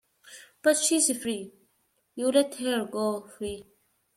But she's free! You let her go free!